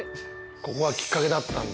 ここがきっかけだったんだ。